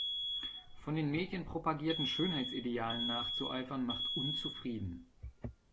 Von den Medien propagierten Schönheitsidealen nachzueifern macht unzufrieden.